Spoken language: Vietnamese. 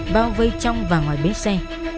bao vây trong và ngoài bến xe